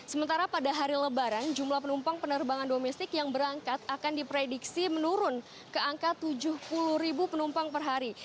sementara pada hari lebaran jumlah penumpang penerbangan domestik yang berangkat akan diprediksi menurun ke angka tujuh puluh ribu penumpang per hari